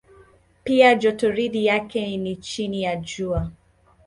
Pia jotoridi yake ni chini ya Jua.